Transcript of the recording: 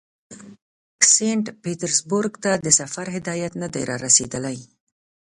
سینټ پیټرزبورګ ته د سفر هدایت نه دی را رسېدلی.